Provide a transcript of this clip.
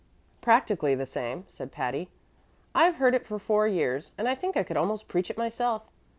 "Practically the same," said Patty. "I've heard it for four years, and I think I could almost preach it myself.